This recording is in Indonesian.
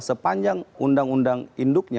sepanjang undang undang induknya